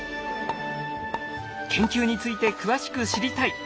「研究について詳しく知りたい」。